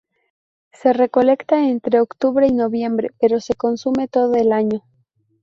Se recolecta entre octubre y noviembre, pero se consume todo el año.